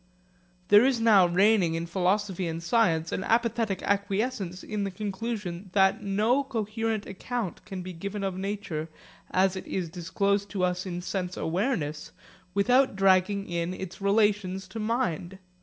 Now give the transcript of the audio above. There is now reigning in philosophy and in science an apathetic acquiescence in the conclusion that no coherent account can be given of nature as it is disclosed to us in sense awareness, without dragging in its relations to mind.